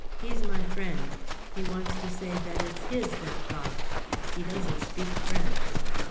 He's my friend. He wants to say that it's his, that box. He doesn't speak French."